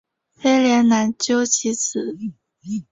威廉难辞其咎。